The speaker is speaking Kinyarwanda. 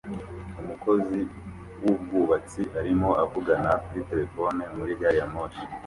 Umukozi wubwubatsi arimo avugana kuri terefone muri gari ya moshi